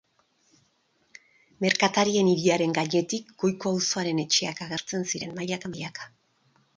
Merkatarien hiriaren gainetik, goiko auzoaren etxeak agertzen ziren mailaka-mailaka.